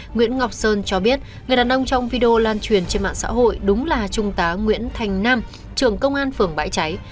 nguyễn ngọc sơn cho biết người đàn ông trong video lan truyền trên mạng xã hội đúng là trung tá nguyễn thành nam trưởng công an phường bãi cháy